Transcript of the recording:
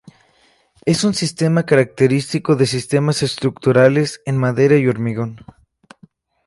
Es un sistema característico de sistemas estructurales en madera y hormigón.